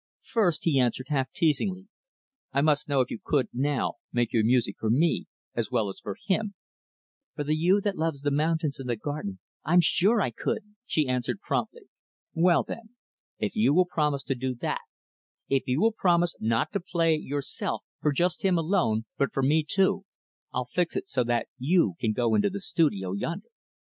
"First," he answered, half teasingly, "I must know if you could, now, make your music for me as well as for him." "For the you that loves the mountains and the garden I'm sure I could," she answered promptly. "Well then, if you will promise to do that if you will promise not to play yourself for just him alone but for me too I'll fix it so that you can go into the studio yonder."